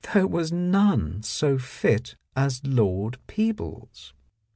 There was none so fit as Lord Peebles.